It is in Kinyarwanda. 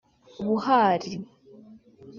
Buhari